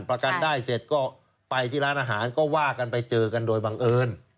ประกันได้เสร็จก็ไปที่ร้านอาหารก็ว่ากันไปเจอกันโดยบังเอิญ